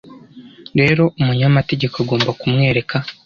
rero umunyamategeko agomba kumwereka